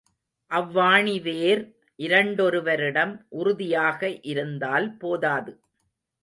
அவ்வாணி வேர் இரண்டொருவரிடம் உறுதியாக இருந்தால் போதாது.